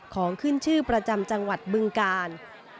ของขึ้นชื่อประจำจังหวัดบึงกาล